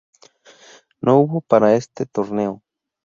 No hubo para este torneo.